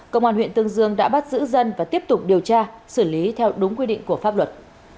công an huyện tương dương đã bắt giữ dân và tiếp tục điều tra xử lý theo đúng quy định của pháp luật